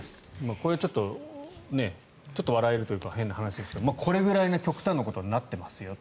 これはちょっと、笑えるというか変な話ですがこれぐらい極端なことになってますよ。